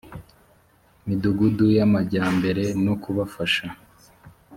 midugudu y amajyambere no kubafasha